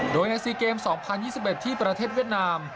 โดยในสี่เกมสองพันยี่สิบเอ็ดที่ประเทศเวียดนาม